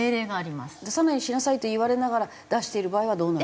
出さないようにしなさいと言われながら出している場合はどうなる？